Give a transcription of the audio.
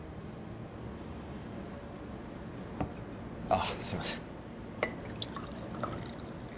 あっすいません。